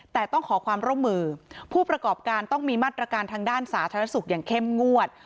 แต่ต้องขอความร่วมมือผู้ประกอบการต้องมีมาตรการทางด้านสาธารณสุขอย่างเข้มงวด